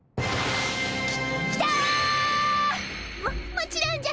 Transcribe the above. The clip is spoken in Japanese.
ききた！ももちろんじゃ！